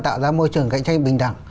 tạo ra môi trường cạnh tranh bình đẳng